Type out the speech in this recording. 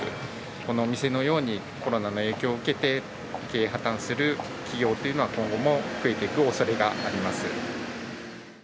このお店のように、コロナの影響を受けて、経営破綻する企業というのは、今後も増えていくおそれがあります。